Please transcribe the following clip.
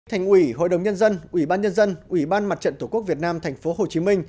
thành ủy hội đồng nhân dân ủy ban nhân dân ủy ban mặt trận tổ quốc việt nam tp hcm